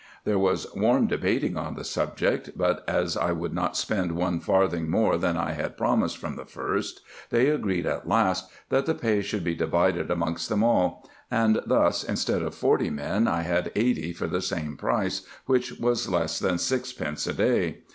There was warm debating on the subject ; but, as I would not spend one farthing more than I had promised from the first, they agreed at last that the pay should be divided amongst them all ; and thus, instead of forty men, I had eighty for the same price, which was less than sixpence a day.